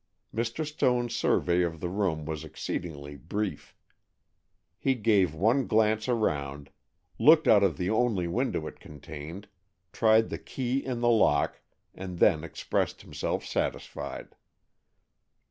Mr. Stone's survey of the room was exceedingly brief. He gave one glance around, looked out of the only window it contained, tried the key in the lock, and then expressed himself satisfied.